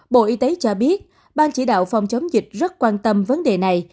bộ y tế cho biết ban chỉ đạo phòng chống dịch rất quan tâm vấn đề này